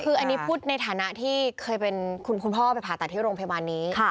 คืออันนี้พูดในฐานะที่เคยเป็นคุณพ่อไปผ่าตัดที่โรงพยาบาลนี้